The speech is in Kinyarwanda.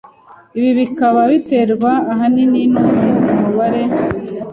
Ibi bikaba biterwa ahanini nuko umubare